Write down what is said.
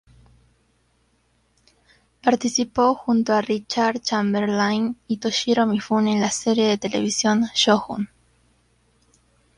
Participó junto a Richard Chamberlain y Toshiro Mifune en la serie de televisión "Shogun".